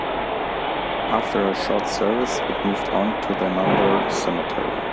After a short service it moved on to the Nundah Cemetery.